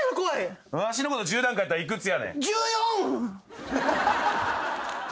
わしのこと１０段階やったら幾つやねん？